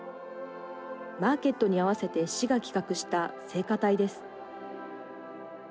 マーケットにあわせて市が企画した聖歌隊です。